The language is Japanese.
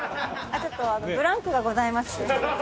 ちょっとブランクがございまして。